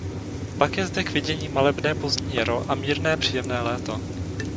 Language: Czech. Pak je zde k vidění malebné pozdní jaro a mírné příjemné léto.